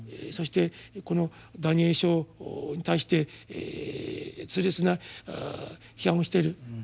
そしてこの「ダニエル書」に対して痛烈な批判をしてる。